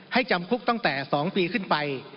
จำคุกตั้งแต่๒ปีขึ้นไป